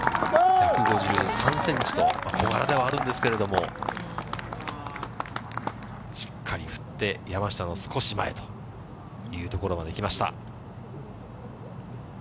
１５３センチと、小柄ではあるんですけれども、しっかり振って、山下の少し前という所まできました。